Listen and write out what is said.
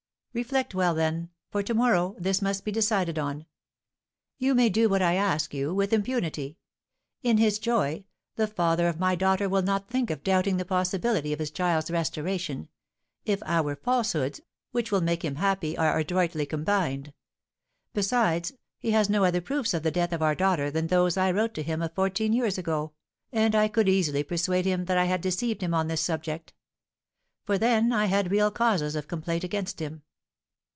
Reflect well, then, for to morrow this must be decided on. You may do what I ask you with impunity. In his joy, the father of my daughter will not think of doubting the possibility of his child's restoration, if our falsehoods, which will make him happy, are adroitly combined. Besides, he has no other proofs of the death of our daughter than those I wrote to him of fourteen years ago, and I could easily persuade him that I had deceived him on this subject; for then I had real causes of complaint against him.